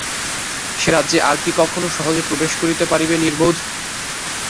সে রাজ্যে আর কি কখনো সহজে প্রবেশ করিতে পারিবে নির্বোধ?